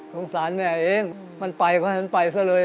ทรงสารแม่เองมันไปก็มันไปซะเลย